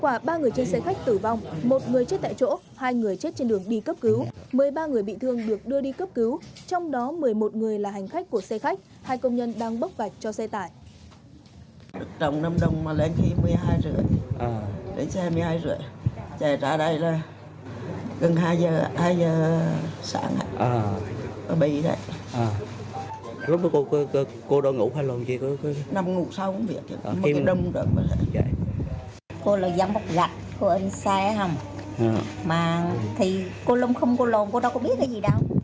quả ba người trên xe chết tại chỗ ba người chết tại chỗ bốn người chết trên đường đi cấp cứu một mươi ba người là hành khách của xe khách hai người chết trên đường đi cấp cứu một mươi ba người là hành khách của xe tải